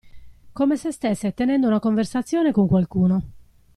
Come se stesse tenendo una conversazione con qualcuno.